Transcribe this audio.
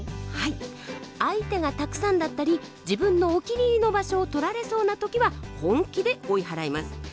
はい相手がたくさんだったり自分のお気に入りの場所を取られそうな時は本気で追い払います。